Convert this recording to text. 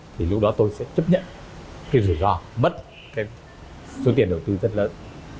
thì lúc đó tôi sẽ chấp nhận cái rủi ro mất cái số tiền đầu tư rất lớn